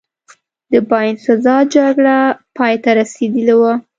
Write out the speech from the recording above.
د باینسزا جګړه پایته رسېدلې وه.